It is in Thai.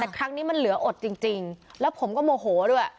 แต่ครั้งนี้มันเหลืออดจริงแล้วผมก็โมโหด้วย